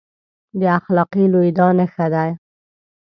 د اخلاقي لوېدا نښه دی.